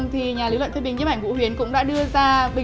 tức là cái